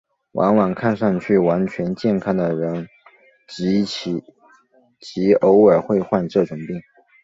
往往看上去完全健康的人极偶尔会患这种病。